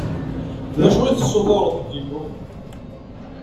D acu i tessutureḍ deg yillu?